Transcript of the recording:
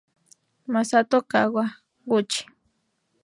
Masato Kawaguchi